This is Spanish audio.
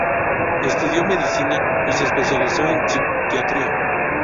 Estudió medicina, y se especializó en psiquiatría.